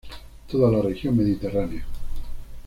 Toda la región mediterránea.